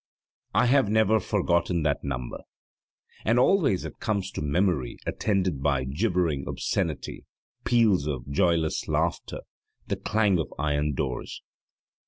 < 4 > I have never forgotten that number, and always it comes to memory attended by gibbering obscenity, peals of joyless laughter, the clang of iron doors.